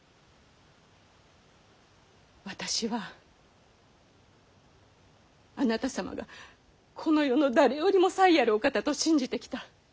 私はあなた様がこの世の誰よりも才あるお方と信じてきた。